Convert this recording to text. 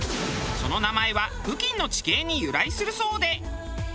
その名前は付近の地形に由来するそうで。